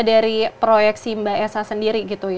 dari proyeksi mbak esa sendiri